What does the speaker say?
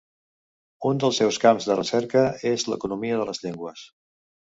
Un dels seus camps de recerca és l'economia de les llengües.